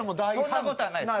そんな事はないです。